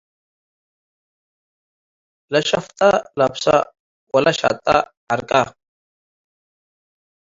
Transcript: ለሸፍጠ ለብሰ ወለሸጠ ዐርቀ።